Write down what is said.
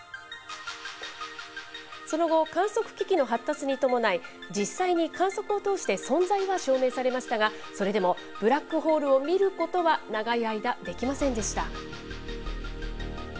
その後、観測機器の発達に伴い、実際に観測を通して存在は証明されましたが、それでもブラックホールを見ることは長い間、できませんでした。